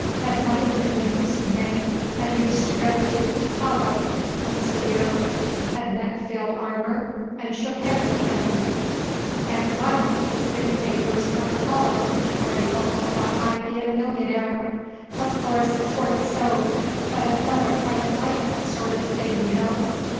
Hed money in the Hoost'n bank 'nd used to go to Tchicargo oncet a year; hed met Fill Armer 'nd shook hands with him, 'nd oncet the city papers hed a colume article about my bein' a millionnaire; uv course 't warn't so, but a feller kind uv likes that sort uv thing, you know.